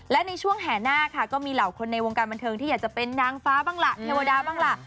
และในช่วงแห่หน้าค่ะก็มีเหล่าคนในวงการบันเทิงที่อยากจะเป็นนางฟ้าบ้างล่ะเทวดาบ้างล่ะ